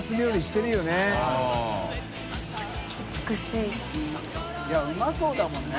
いうまそうだもんね。